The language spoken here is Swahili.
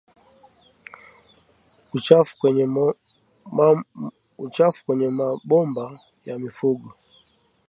Uchafu kwenye maboma ya mifugo